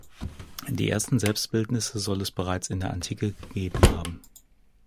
Die ersten Selbstbildnisse soll es bereits in der Antike gegeben haben.